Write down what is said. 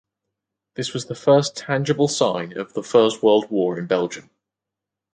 This was the first tangible sign of the First World War in Belgium.